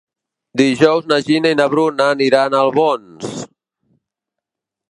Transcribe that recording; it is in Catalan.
Dijous na Gina i na Bruna aniran a Albons.